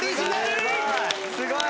すごい！